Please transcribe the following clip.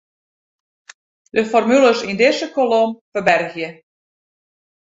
De formules yn dizze kolom ferbergje.